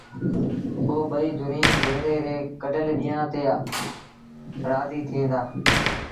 پو ٻئيٚ ڌريٚݩ گرڙي ري ڪڍل ڏيݩهآݩ تي رآزيٚ ٿئيݩ دآ